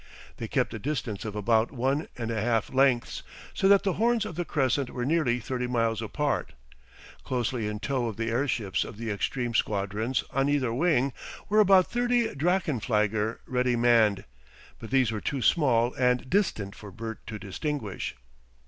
They kept a distance of about one and a half lengths, so that the horns of the crescent were nearly thirty miles apart. Closely in tow of the airships of the extreme squadrons on either wing were about thirty drachenflieger ready manned, but these were too small and distant for Bert to distinguish.